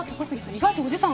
意外とおじさん。